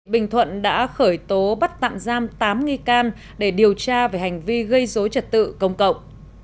bình thuận đã khởi tố bắt tạm giam tám nghi can để điều tra về hành vi gây dối trật tự công cộng